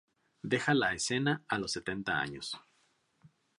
Deja la escena a los setenta años.